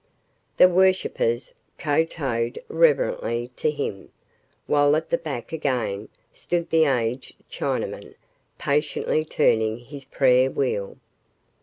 The worshippers kowtowed reverently to him, while at the back again stood the aged Chinaman patiently turning his prayer wheel.